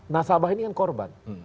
nasabah ini yang korban